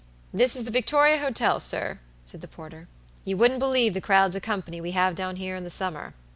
"This is the Victoria Hotel, sir," said the porter. "You wouldn't believe the crowds of company we have down here in the summer."